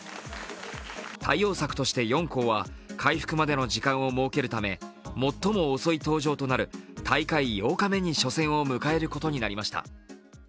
対応策として４校は、回復までの時間を設けるため最も遅い登場となる大会８日目に初戦を迎えることになりました。